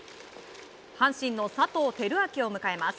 阪神の佐藤輝明を迎えます。